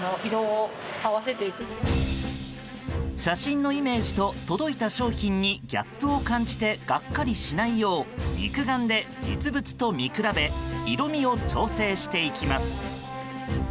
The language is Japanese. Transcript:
写真のイメージと届いた商品にギャップを感じてがっかりしないよう肉眼で実物と見比べ色味を調整していきます。